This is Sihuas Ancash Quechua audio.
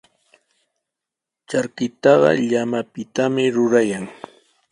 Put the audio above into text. Charkitaqa llamapitami rurayan.